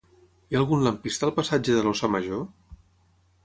Hi ha algun lampista al passatge de l'Óssa Major?